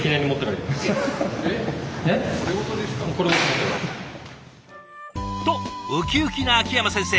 これごと。とウキウキな秋山先生。